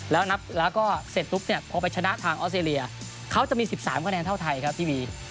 แล้วก็เสร็จรุปพอไปชนะทางออสเตรเลียเขาจะมี๑๓คะแนนเท่าไทยครับที่วี